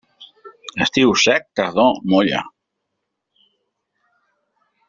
Estiu sec, tardor molla.